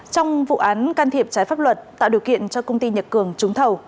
trong vụ án can thiệp trái pháp luật tạo điều kiện cho công ty nhật cường trúng thầu